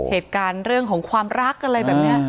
เหตุการณ์เรื่องของความรักอะไรแบบนี้